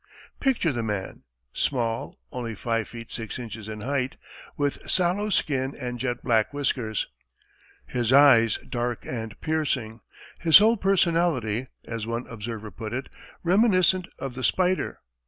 Picture the man, small, only five feet six inches in height, with sallow skin and jet black whiskers, his eyes dark and piercing, his whole personality, as one observer put it, "reminiscent of the spider."